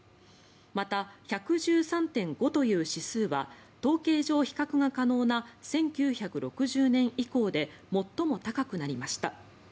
また１１３．５という指数は統計上、比較が可能な１９６０年以降で最も高くなりました。